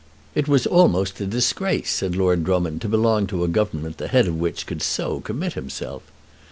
It was almost a disgrace, said Lord Drummond, to belong to a Government the Head of which could so commit himself!